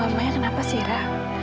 oh emangnya kenapa sih ra